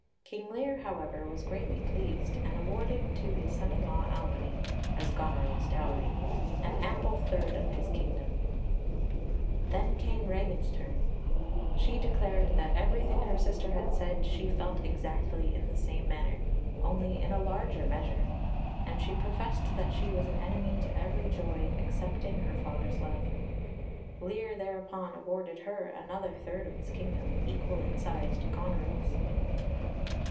King Lear, however, was greatly pleased, and awarded to his son in law Albany, as Goneril's dowry, an ample third of his kingdom. Then came Regan's turn. She declared that everything her sister had said she felt exactly in the same manner, only in a larger measure; and she professed that she was an enemy to every joy excepting her father's love. Lear thereupon awarded her another third of his kingdom, equal in size to Goneril's.